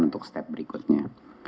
untuk step berikutnya